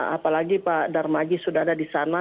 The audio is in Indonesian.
apalagi pak darmaji sudah ada di sana